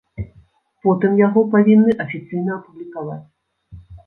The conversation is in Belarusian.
Потым яго павінны афіцыйна апублікаваць.